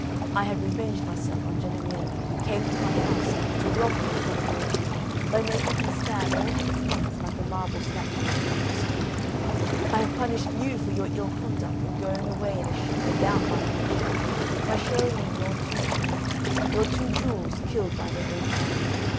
I have revenged myself on Jennariello, who came to my house to rob me of my daughter, by making him stand all these months like a marble statue in a block of stone. I have punished you for your ill conduct in going away in a ship without my permission, by showing you your two children, your two jewels, killed by their own father.